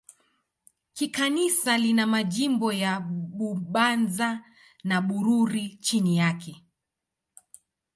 Kikanisa lina majimbo ya Bubanza na Bururi chini yake.